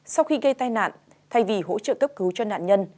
sau khi gây tai nạn thay vì hỗ trợ cấp cứu cho nạn nhân